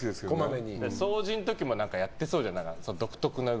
掃除の時もやってそうじゃん。